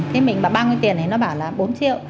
thế mình bà băng cái tiền này nó bảo là bốn triệu